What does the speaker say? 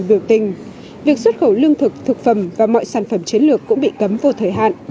biểu tình việc xuất khẩu lương thực thực phẩm và mọi sản phẩm chiến lược cũng bị cấm vô thời hạn